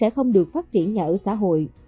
không được phát triển nhà ở xã hội